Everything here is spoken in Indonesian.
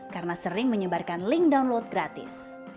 karena sering menyebarkan link download gratis